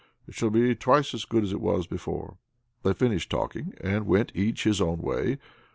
It shall be twice as good as it was before." They finished talking, and went each his own way.